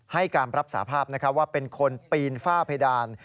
ให้การรับสาภาพว่าเป็นคนปีนฝ้าเพดาน